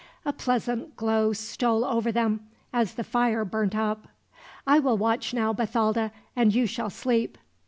A pleasant glow stole over them, as the fire burnt up. "I will watch now, Bathalda, and you shall sleep."